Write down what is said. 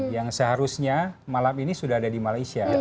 yang seharusnya malam ini sudah ada di malaysia